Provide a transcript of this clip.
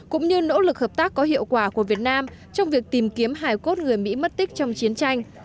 cũng như nỗ lực hợp tác có hiệu quả của việt nam trong việc tìm kiếm hải cốt người mỹ mất tích trong chiến tranh